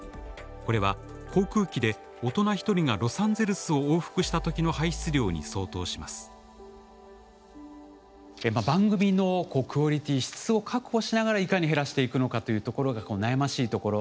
これは航空機で大人一人がロサンゼルスを往復したときの排出量に相当します番組のクオリティー質を確保しながらいかに減らしていくのかというところが悩ましいところ。